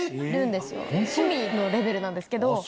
趣味のレベルなんですけど。